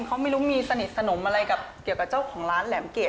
เขาไม่รู้มีสนิทสนมอะไรกับเกี่ยวกับเจ้าของร้านแหลมเกรด